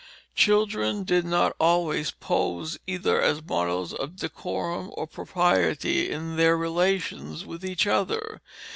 Children did not always pose either as models of decorum or propriety in their relations with each other.